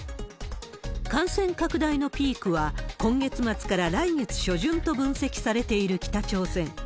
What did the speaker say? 感染拡大のピークは、今月末から来月初旬と分析されている北朝鮮。